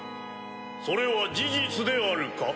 それは事実であるか？